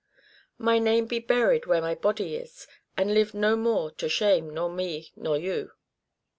" My name be buried where my body is, And live no more to shame nor me nor you."